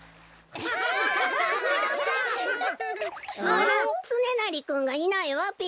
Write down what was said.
あらつねなりくんがいないわべ。